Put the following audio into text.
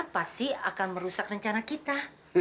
pasti akan merusak rencana kita